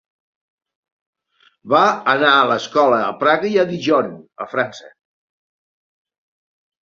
Va anar a l'escola a Praga i a Dijon, França.